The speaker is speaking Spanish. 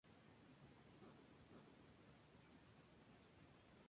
Denver, Colorado, fue un centro de activismo del Evangelio Social.